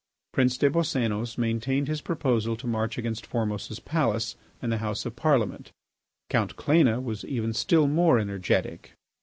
Prince des Boscénos maintained his proposal to march against Formose's palace and the House of Parliament. Count Cléna was even still more energetic.